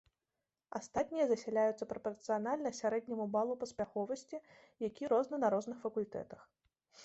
Астатнія засяляюцца прапарцыянальна сярэдняму балу паспяховасці, які розны на розных факультэтах.